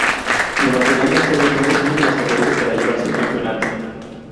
Nueva Zelanda fue de nuevo una de las favoritas para llevarse el campeonato.